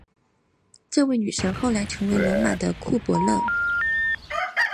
这位女神后来成为罗马的库柏勒。